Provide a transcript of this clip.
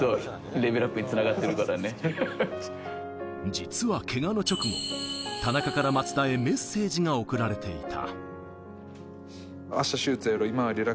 実はけがの直後、田中から松田へ、メッセージが送られていた。